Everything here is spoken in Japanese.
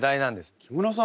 木村さん